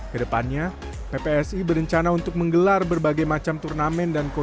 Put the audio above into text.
kedepannya ppsi berencana untuk menggelar berbagai macam turnamen dan kompetisi